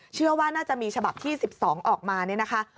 เชื่อว่าน่าจะมีฉบับที่๑๒ออกมาเนี่ยนะคะ